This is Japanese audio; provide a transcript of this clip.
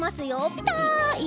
ピタ！